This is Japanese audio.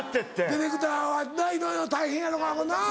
ディレクターはないろいろ大変やろうからな。